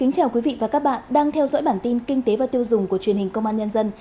chào mừng quý vị đến với bản tin kinh tế và tiêu dùng của truyền hình công an nhân dân